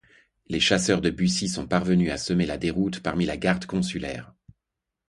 Les chasseurs de Bussy sont parvenus à semer la déroute parmi la garde consulaire.